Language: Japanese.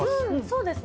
そうですね。